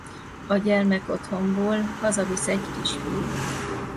A gyermekotthonból hazavisz egy kisfiút.